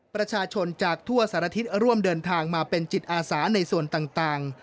ประชาชนจากทั่วสารทิศร่วมเดินทางมาเป็นจิตอาสาในส่วนต่าง